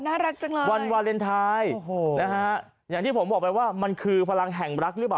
น่ารักจังเลยวันวาเลนไทยโอ้โหนะฮะอย่างที่ผมบอกไปว่ามันคือพลังแห่งรักหรือเปล่า